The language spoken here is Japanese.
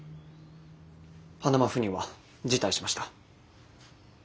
パナマ赴任は辞退しました。